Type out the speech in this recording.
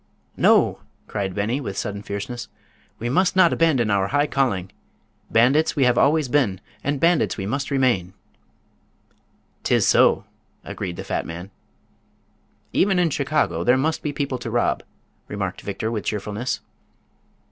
"No!" cried Beni, with sudden fierceness; "we must not abandon our high calling. Bandits we have always been, and bandits we must remain!" "'Tis so!" agreed the fat man. "Even in Chicago there must be people to rob," remarked Victor, with cheerfulness.